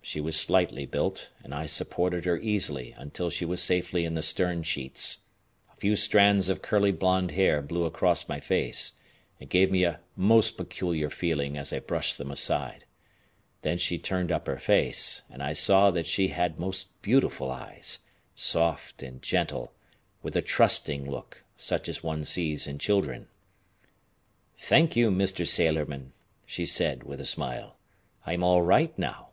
She was slightly built, and I supported her easily until she was safely in the stern sheets. A few strands of curly blond hair blew across my face, and gave me a most peculiar feeling as I brushed them aside. Then she turned up her face, and I saw that she had most beautiful eyes, soft and gentle, with a trusting look, such as one sees in children. "Thank you, Mr. Sailorman," she said, with a smile. "I'm all right now."